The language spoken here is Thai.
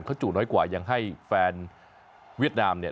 เขาจุน้อยกว่ายังให้แฟนเวียดนามเนี่ย